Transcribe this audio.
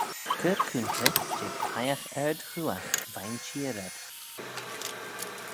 Cur coontey jeh peiagh ard-ghooagh veih'n çheer ayd.